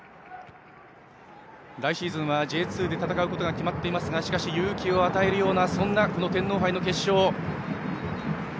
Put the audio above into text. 来シーズンはＪ２で戦うことが決まっていますがしかし勇気を与えるような天皇杯の決勝。